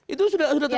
itu sudah terjadi